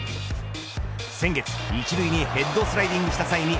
先月、１塁にヘッドスライディングした際に